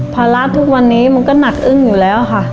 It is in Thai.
ภาระทุกวันนี้มันก็หนักอึ้งอยู่แล้วค่ะ